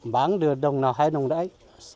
bán được đồng nào hai đồng đấy